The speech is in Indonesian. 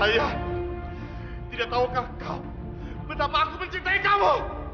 saya tidak tahukah kau betapa aku mencintai kamu